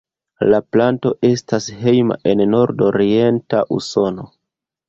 La planto estas hejma en nordorienta Usono.